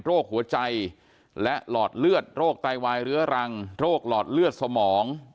หัวใจและหลอดเลือดโรคไตวายเรื้อรังโรคหลอดเลือดสมอง